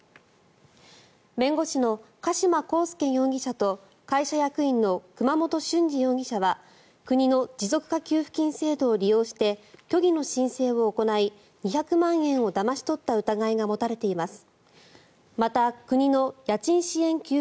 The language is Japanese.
弁護士の加島康介容疑者と会社役員の熊本俊二容疑者は国の持続化給付金制度を利用して虚偽の申請を行い２００万円をだまし取った疑いが持たれています。